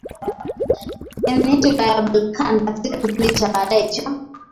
Peninsula ya Balkan katika kipindi cha baadaye cha